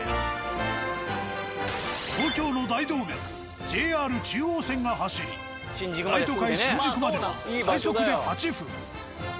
東京の大動脈ＪＲ中央線が走り大都会・新宿までは快速で８分。